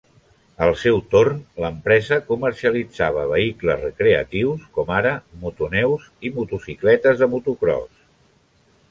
Al seu torn, l'empresa comercialitzava vehicles recreatius com ara motoneus i motocicletes de motocròs.